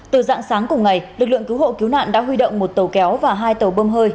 từ dạng sáng cùng ngày lực lượng cứu hộ cứu nạn đã huy động một tàu kéo và hai tàu bơm hơi